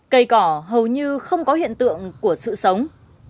cây cỏ hầu như không có hiện tượng của sự sống